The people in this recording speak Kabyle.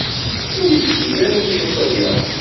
Ur iteddu ara tilifu-ya.